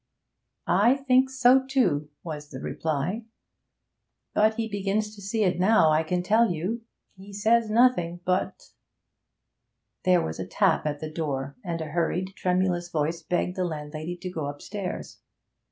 'I think so too,' was the reply. 'But he begins to see it now, I can tell you. He says nothing but.' There was a tap at the door, and a hurried tremulous voice begged the landlady to go upstairs.